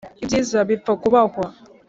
ibyiza bipfa kubahwa